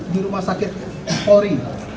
di rumah sakit kori